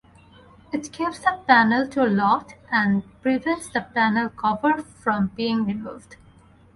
It keeps the panel door locked and prevents the panel cover from being removed.